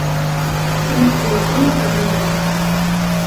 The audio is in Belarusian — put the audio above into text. Трымалі да сёмай гадзіны ранку.